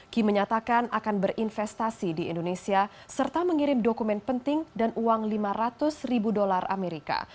key menyatakan akan berinvestasi di indonesia serta mengirim dokumen penting dan uang lima ratus ribu dolar amerika